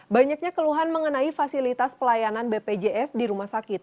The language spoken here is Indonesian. banyaknya keluhan mengenai fasilitas pelayanan bpjs di rumah sakit